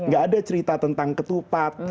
gak ada cerita tentang ketupat